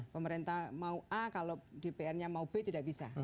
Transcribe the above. pemerintah mau a kalau dpr nya mau b tidak bisa